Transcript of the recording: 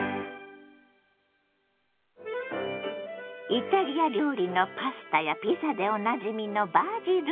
イタリア料理のパスタやピザでおなじみのバジル。